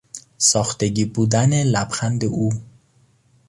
ساختگی بودن لبخند او